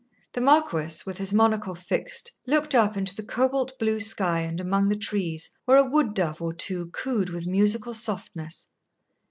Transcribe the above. The marquis, with his monocle fixed, looked up into the cobalt blue sky and among the trees, where a wood dove or two cooed with musical softness.